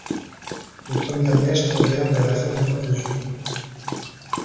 Les premières neiges tombèrent vers la fin du mois de juin.